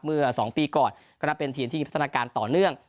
เมื่อ๒ปีก่อนก็นับเป็นทีมที่พัฒนาการต่อเนื่อง